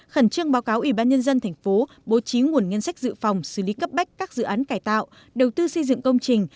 khẩn trương báo cáo ubnd tp bố trí nguồn ngân sách dự phòng xử lý cấp bách các dự án cải tạo đầu tư xây dựng công trình